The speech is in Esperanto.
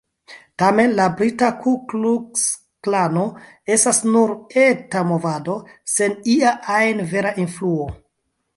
Tamen, la brita Ku-Kluks-Klano estas nur eta movado, sen ia ajn vera influo.